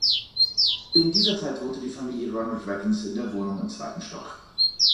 In dieser Zeit wohnte die Familie Ronald Reagans in der Wohnung im zweiten Stock.